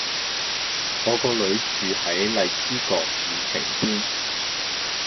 我個女住喺荔枝角宇晴軒